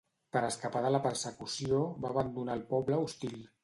Per escapar de la persecució, va abandonar el poble hostil.